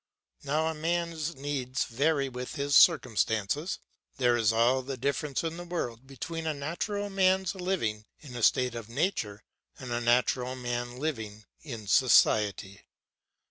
Now a man's needs vary with his circumstances. There is all the difference in the world between a natural man living in a state of nature, and a natural man living in society.